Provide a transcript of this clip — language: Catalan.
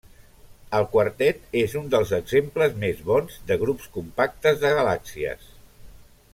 El quartet és un dels exemples més bons de grups compactes de galàxies.